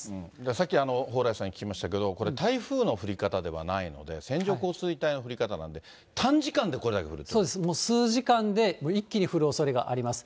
さっき、蓬莱さんに聞きましたけど、これ、台風の降り方ではないので、線状降水帯の降り方なんで、そうですね、もう数時間で一気に降るおそれがあります。